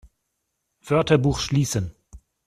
Wörterbuch schließen!